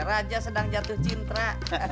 raja sedang jatuh cintra